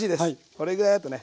これぐらいだとね。